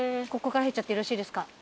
ここから入っちゃってよろしいですか？